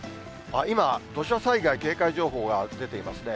今、土砂災害警戒情報が出ていますね。